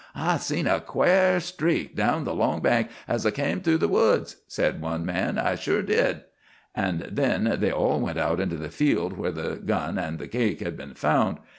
"I seen a quare streak down the long bank, as I came through the woods," said one man; "I did sure." And then they all went out into the field where the gun and the cake had been found.